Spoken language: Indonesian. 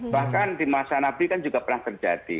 bahkan di masa nabi kan juga pernah terjadi